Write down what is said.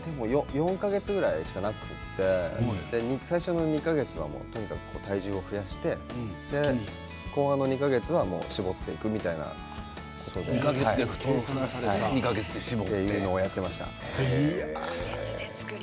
４か月ぐらいしかなくて最初の２か月はとにかく体重を増やして後半の２か月は２か月で太ってやっていました。